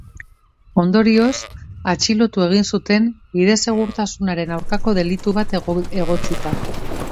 Ondorioz, atxilotu egin zuten, bide-segurtasunaren aurkako delitu bat egotzita.